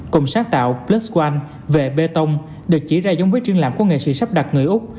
cùng sáng tạo plus one về bê tông được chỉ ra giống với triển lãm của nghệ sĩ sắp đặt người úc